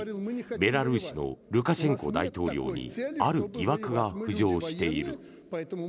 ベラルーシのルカシェンコ大統領にある疑惑が浮上している。